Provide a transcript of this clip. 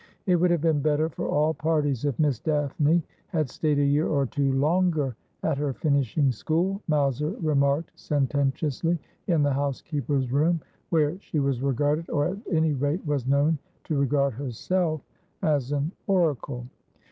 ' It would have been better for all parties if Miss Daphne had stayed a year or two longer at her finishing school,' Mowser remarked sententi ously in the housekeeper's room, where she was regarded, or at any rate was known to regard herself, as an oracle.